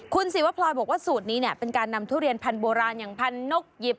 คุณศิวพลอยบอกว่าสูตรนี้เนี่ยเป็นการนำทุเรียนพันธุโบราณอย่างพันนกหยิบ